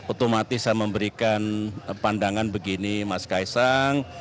otomatis saya memberikan pandangan begini mas kaisang